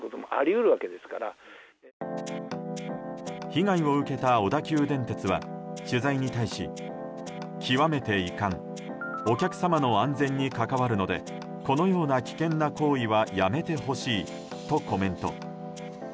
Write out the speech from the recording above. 被害を受けた小田急電鉄は取材に対し極めて遺憾お客様の安全に関わるのでこのような危険な行為はやめてほしいとコメント。